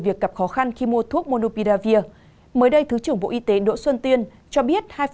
việc gặp khó khăn khi mua thuốc monopidavir mới đây thứ trưởng bộ y tế đỗ xuân tiên cho biết